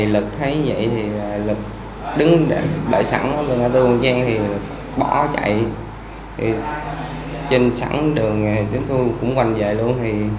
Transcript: lực thấy vậy lực đứng đợi sẵn bỏ chạy trên sẵn đường chúng tôi cũng quanh về luôn